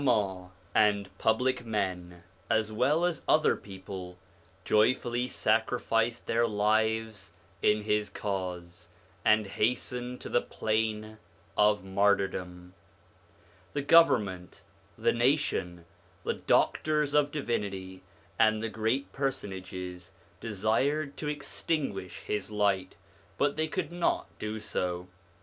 80 ON THE INFLUENCE OF THE PROPHETS 31 Many Ulama and public men, as well as other people, joyfully sacrificed their lives in his Cause, arid hastened to the plain of martyrdom. The government, the nation, the doctors of divinity, and the great personages, desired to extinguish his light, but they could not do so.